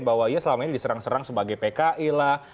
bahwa ia selama ini diserang serang sebagai pki lah